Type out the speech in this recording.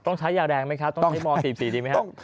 ต้องใช้ยาแรงไหมครับต้องใช้ม๔๔ดีไหมครับ